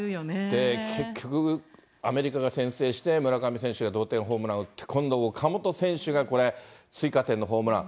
で、結局、アメリカが先制して、村上選手が同点ホームランを打って、今度、岡本選手が、これ、追加点のホームラン。